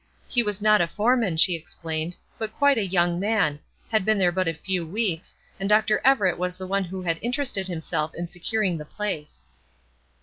He was not a foreman, she explained, but quite a young man; had been there but a few weeks, and Dr. Everett was the one who had interested himself in securing the place.